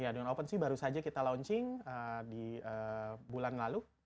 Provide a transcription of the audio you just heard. iya dengan opensea baru saja kita launching di bulan lalu